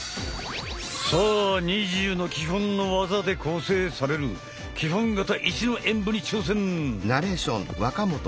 さあ２０の基本の技で構成される基本形１の演武に挑戦！